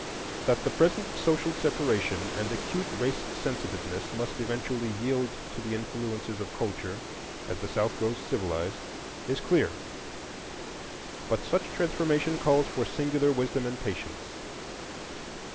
That the present social separation and acute race sensitiveness must eventually yield to the influences of culture, as the South grows civilized, is clear. But such transformation calls for singular wisdom and patience.